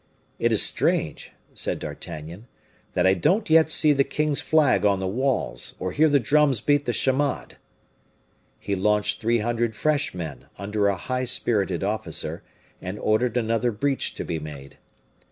"It is strange," said D'Artagnan, "that I don't yet see the king's flag on the walls, or hear the drums beat the chamade." He launched three hundred fresh men, under a high spirited officer, and ordered another breach to be made.